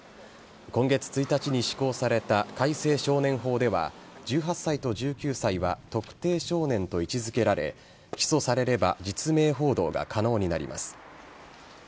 今月１日に施行された改正少年法では１８歳と１９歳は特定少年と位置付けられ起訴されれば実名報道が可能になります。